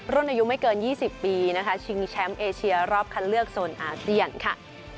รุ่นอายุไม่เกิน๒๐ปีนะคะชิงแชมป์เอเชียรอบคันเลือกโซนอาเซียนค่ะ